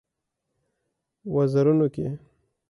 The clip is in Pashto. وزرونو کې